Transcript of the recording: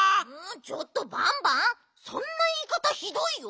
ちょっとバンバンそんないいかたひどいよ。